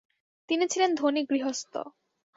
তিনি ছিলেন ধনী গৃহস্থ।